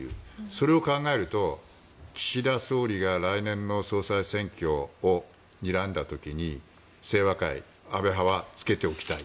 それを考えると岸田総理が来年の総裁選挙をにらんだ時に清和会、安倍派はつけておきたい。